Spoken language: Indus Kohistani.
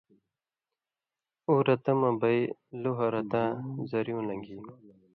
اُو رتہ مہ بئ لُوہہۡ رتاں ذرّیُوں لن٘گھی